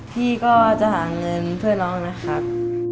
พี่ก็จะหาเงินเพื่อน้องนะครับ